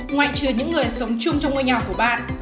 ngoài trừ những người sống chung trong ngôi nhà của bạn